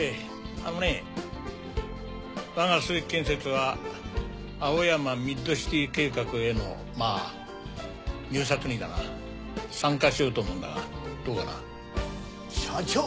あのね我が鈴木建設は青山ミッドシティ計画へのまあ入札にだな参加しようと思うんだがどうかな？社長！